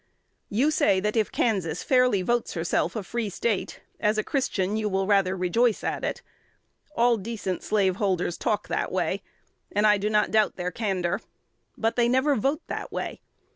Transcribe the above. You say, that, if Kansas fairly votes herself a Free State, as a Christian you will rather rejoice at it. All decent slaveholders talk that way; and I do not doubt their candor. But they never vote that way.